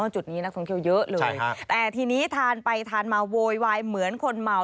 จุดนี้นักท่องเที่ยวเยอะเลยแต่ทีนี้ทานไปทานมาโวยวายเหมือนคนเมา